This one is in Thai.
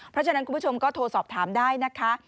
เพราะฉะนั้นคุณผู้ชมก็โทรสอบถามได้นะคะ